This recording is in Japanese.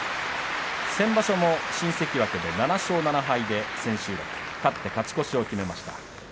先場所も新関脇で７勝７敗で千秋楽勝って勝ち越しをきめました。